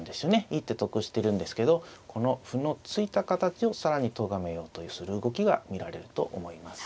一手得してるんですけどこの歩の突いた形を更にとがめようとする動きが見られると思います。